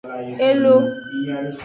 Elo.